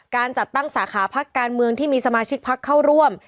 การจัดตั้งสาขาพักการเมืองที่มีสมาชิกพักเข้าร่วม